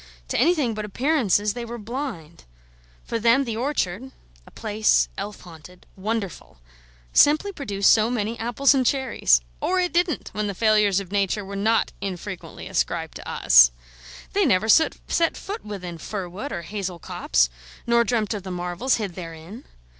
To anything but appearances they were blind. For them the orchard (a place elf haunted, wonderful!) simply produced so many apples and cherries: or it didn't, when the failures of Nature were not infrequently ascribed to us. They never set foot within fir wood or hazel copse, nor dreamt of the marvels hid therein.